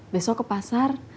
besok ke pasar